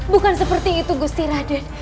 bukan seperti itu gusti raden